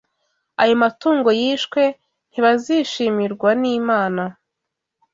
ayo matungo yishwe, ntibazishimirwa n’Imana